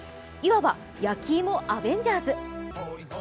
いわば、焼き芋アベンジャーズ。